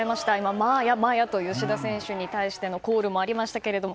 まーや！という吉田選手に対してのコールもありましたけれども。